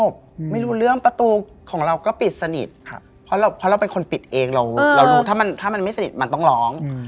เพราะเราเป็นคนปิดเองเรารู้ถ้ามันไม่สนิทมันต้องร้อง